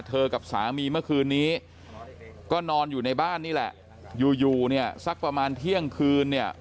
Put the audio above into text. กับสามีเมื่อคืนนี้ก็นอนอยู่ในบ้านนี่แหละอยู่อยู่เนี่ยสักประมาณเที่ยงคืนเนี่ย